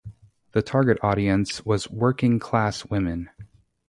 The target audience was working class women.